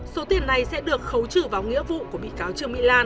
số tiền này sẽ được khấu trừ vào nghĩa vụ của bị cáo trương mỹ lan